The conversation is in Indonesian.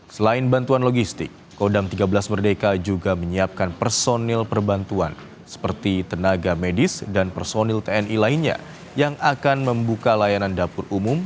selain bantuan logistik kodam tiga belas merdeka juga menyiapkan personil perbantuan seperti tenaga medis dan personil tni lainnya yang akan membuka layanan dapur umum